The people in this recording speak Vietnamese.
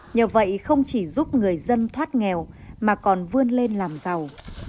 nhờ vậy không chỉ giúp người dân thoát nghèo mà còn vươn lên làm giàu